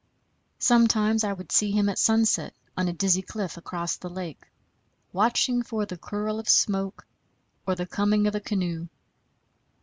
Sometimes I would see him at sunset on a dizzy cliff across the lake, watching for the curl of smoke or the coming of a canoe.